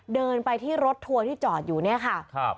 เดินไปที่รถทัวร์ที่จอดอยู่เนี่ยค่ะ